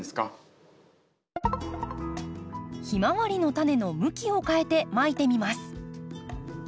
ヒマワリのタネの向きを変えてまいてみます。